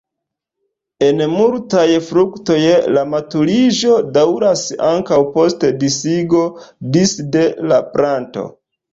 En multaj fruktoj la maturiĝo daŭras ankaŭ post disigo disde la planto.